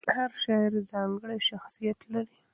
هر شاعر ځانګړی شخصیت لري.